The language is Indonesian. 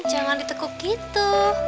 jangan ditekuk gitu